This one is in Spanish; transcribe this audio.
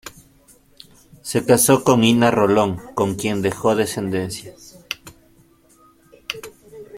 Se casó con Ina Rolón, con quien dejó descendencia.